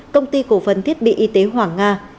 công ty cổ phần thiết bị y tế hoàng nga